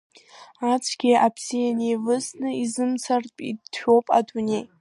Ацәгьеи абзиеи неивысны изымцартә иҭшәоуп адунеи…